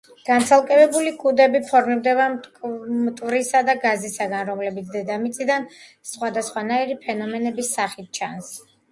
განცალკევებული კუდები ფორმირდება მტვრისა და გაზისგან, რომლებიც დედამიწიდან სხვადასხვანაირი ფენომენების სახით ჩანს.